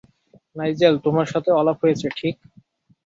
Nigel, তোমার সাথেও আলাপ হয়েছে, ঠিক?